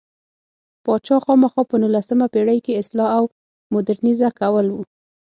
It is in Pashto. پاچا خاما په نولسمه پېړۍ کې اصلاح او مودرنیزه کول و.